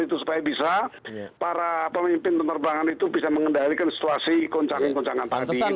itu supaya bisa para pemimpin penerbangan itu bisa mengendalikan situasi koncang koncangan